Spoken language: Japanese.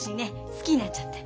好きになっちゃって。